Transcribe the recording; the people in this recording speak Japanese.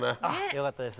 よかったです。